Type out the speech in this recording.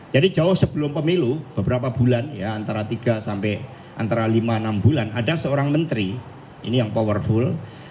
jauh sebelum pemilu beberapa bulan ya antara tiga sampai antara lima enam bulan ada seorang menteri ini yang powerful